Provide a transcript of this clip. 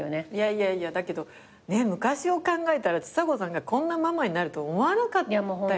いやいやだけど昔を考えたらちさ子さんがこんなママになると思わなかったよね。